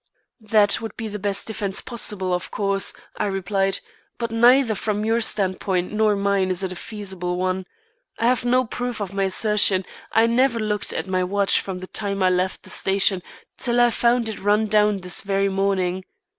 "That would be the best defence possible, of course," I replied; "but neither from your standpoint nor mine is it a feasible one. I have no proof of my assertion, I never looked at my watch from the time I left the station till I found it run down this very morning.